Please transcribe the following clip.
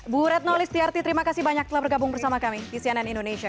bu retno listiarti terima kasih banyak telah bergabung bersama kami di cnn indonesia